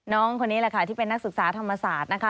น้องคนนี้แหละค่ะที่เป็นนักศึกษาธรรมศาสตร์นะคะ